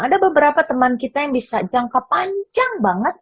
ada beberapa teman kita yang bisa jangka panjang banget